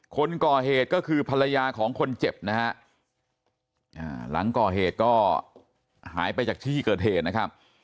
คนก่อเหตุก็คือภรรยาของคนเจ็บนะฮะหลังก่อเหตุก็หายไปจากที่เกิดเหตุนะครับ